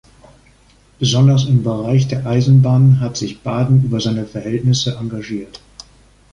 Besonders im Bereich der Eisenbahnen hatte sich Baden über seine Verhältnisse engagiert.